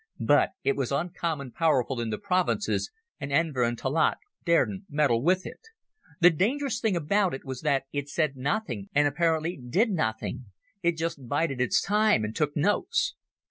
But it was uncommon powerful in the provinces, and Enver and Talaat daren't meddle with it. The dangerous thing about it was that it said nothing and apparently did nothing. It just bided its time and took notes.